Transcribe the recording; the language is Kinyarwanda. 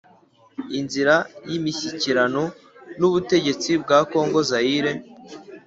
Inzira y imishyikirano n ubutegetsi bwa kongo Zaire